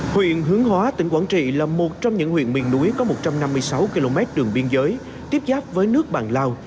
huyện hướng hóa tỉnh quảng trị là một trong những huyện miền núi có một trăm năm mươi sáu km đường biên giới tiếp giáp với nước bạn lào